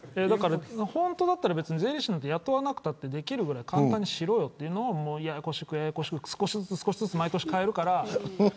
本当だったら税理士なんか雇わなくてもできるぐらい簡単にしろよ、というのをややこしく少しずつ毎年、変えるから。